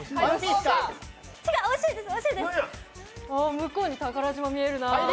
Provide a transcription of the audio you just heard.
向こうに桜島見えるな。